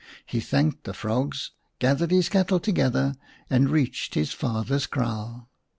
He thanked the frogs, gathered his cattle together and reached his father's kraal.